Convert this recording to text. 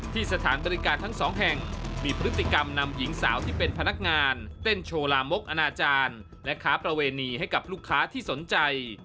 สถานบริการทั้งสองแห่งมีพฤติกรรมนำหญิงสาวที่เป็นพนักงานเต้นโชว์ลามกอนาจารย์และค้าประเวณีให้กับลูกค้าที่สนใจ